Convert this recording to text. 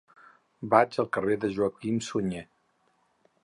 Vaig al carrer de Joaquim Sunyer.